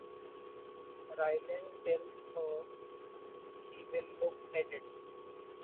Raylan tells her he will look at it.